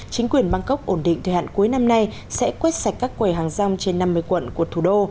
chính quyền bangkok ổn định thời hạn cuối năm nay sẽ quét sạch các quầy hàng rong trên năm mươi quận của thủ đô